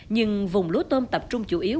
nhưng vùng lúa tôm tập trung chủ yếu